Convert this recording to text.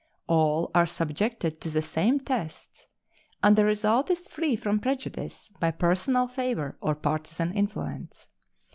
All are subjected to the same tests, and the result is free from prejudice by personal favor or partisan influence.